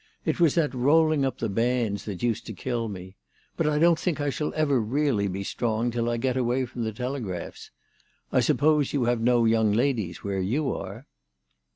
It was that rolling up the bands that used to kill me. But I don't think I shall ever really be strong till I get away from the telegraphs. I suppose you have no young ladies where you are